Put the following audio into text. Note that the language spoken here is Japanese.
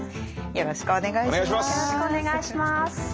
よろしくお願いします。